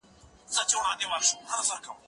کېدای سي سفر ستونزي ولري!.